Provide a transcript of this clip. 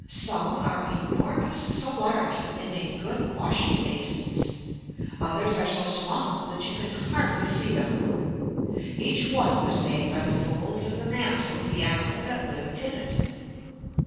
Some are enormous, so large that they make good washing basins. Others are so small that you can hardly see them. Each one was made by the folds of the mantle of the animal that lived in it.